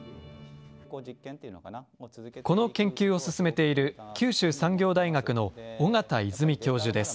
この研究を進めている九州産業大学の緒方泉教授です。